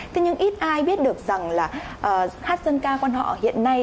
thế nhưng ít ai biết được rằng là hát dân ca quan họ hiện nay